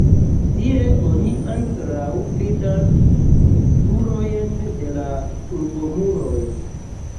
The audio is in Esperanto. Tie oni ankoraŭ vidas spurojn de la urbomuroj.